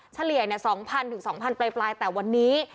เฉลี่ย๒๐๐๒๐๐ปลายแต่วันนี้